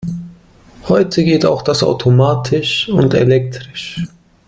Heute geht auch das automatisch und elektrisch.